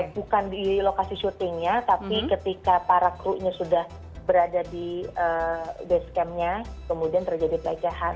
bukan di lokasi syutingnya tapi ketika para kru ini sudah berada di base campnya kemudian terjadi pelecehan